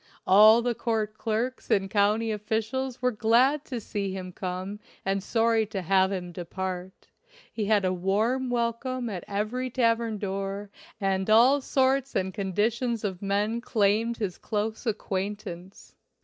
All the court clerks and county officials were glad to see him come and sorry to have him depart; he had a warm welcome at every tavern door and all sorts and conditions of men claimed his close acquaintance.